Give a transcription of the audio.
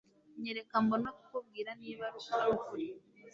nyereka mbone kukubwira niba ari ukuri